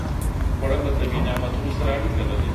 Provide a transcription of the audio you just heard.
خوړل له طبیعي نعمتونو سره اړیکه لري